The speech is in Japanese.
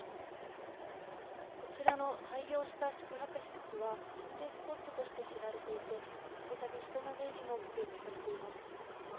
こちらの廃業した宿泊施設は、心霊スポットとして知られていて、たびたび人の出入りも目撃されています。